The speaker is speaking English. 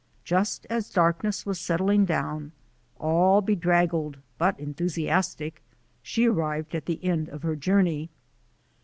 Just as darkness was settling down, all bedraggled, but enthusiastic, she arrived at the end of her journey.